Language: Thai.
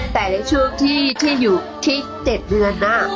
แต่ในช่วงที่อยู่ที่๗เดือน